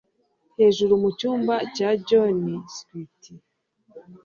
Hejuru mucyumba cya John, Sweetie.